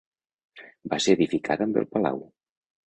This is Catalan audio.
Va ser edificada amb el palau.